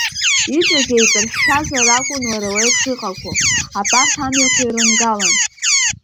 Иҵегь еиҵаршәшәазар акәын уара уеиԥш иҟақәоу, абарҭ амҩақәа ирынгалан…